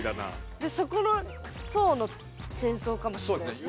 でそこの層の戦争かもしんないですね。